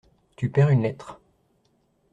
Tu perds une lettre.